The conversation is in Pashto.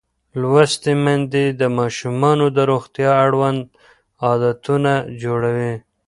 لوستې میندې د ماشومانو د روغتیا اړوند عادتونه جوړوي.